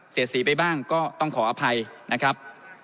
เสียสีไปบ้างก็ต้องขออภัยนะครับ